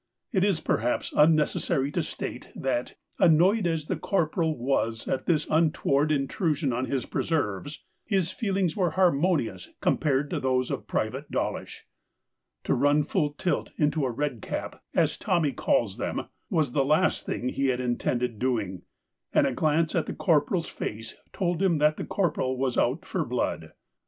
It is perhaps unnecessary to state that, annoyed as the Corporal was at this untoward intrusion on his preserves, his feelings were harmonious compared to those of Private Dawlish. To run full tilt into a Red Cap — as Tommy calls them — was the last thing he had intended doing ; and a glance at the Corporal's face told him that the Corporal was out for blood.